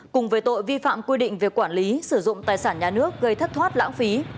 cùng với tội vi phạm quy định về quản lý sử dụng tài sản nhà nước gây thất thoát lãng phí